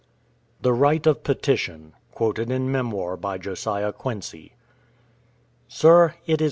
THE RIGHT OF PETITION Quoted in Memoir by Josiah Quincy. Sir, it is